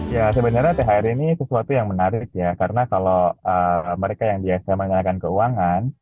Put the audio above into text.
ya sebenarnya thr ini sesuatu yang menarik ya karena kalau mereka yang biasa menggunakan keuangan